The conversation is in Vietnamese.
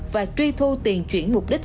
và truy thu tiền chuyển mục đích